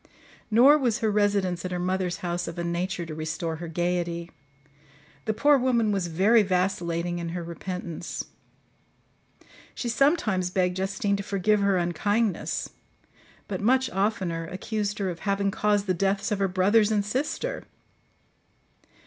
Nor was her residence at her mother's house of a nature to restore her gaiety. The poor woman was very vacillating in her repentance. She sometimes begged Justine to forgive her unkindness, but much oftener accused her of having caused the deaths of her brothers and sister.